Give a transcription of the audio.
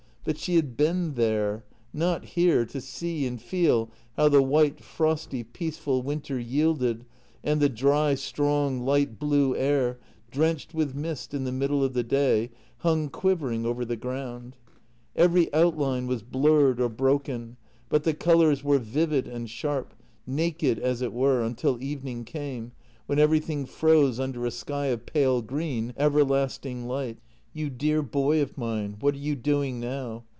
But she had been there — not here to see and feel how the white, frosty, peaceful winter yielded and the dry, strong, light blue air, drenched with mist in the middle of the day, hung quivering over the ground. Every outline was blurred or broken, but the colours were vivid and sharp — naked, as it were — until evening came, w r hen even thing froze under a sky of pale green, everlasting light. — You dear boy of mine — what are you doing now?